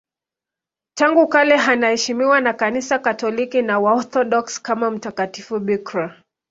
Tangu kale anaheshimiwa na Kanisa Katoliki na Waorthodoksi kama mtakatifu bikira.